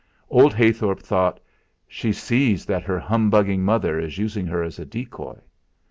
Old Heythorp thought: 'She sees that her humbugging mother is using her as a decoy.'